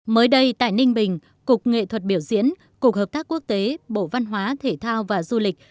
mới đây tại ninh bình cục nghệ thuật biểu diễn cục hợp tác quốc tế bộ văn hóa thể thao và du lịch